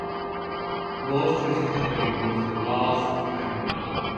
Most tragic happening was the loss of memory.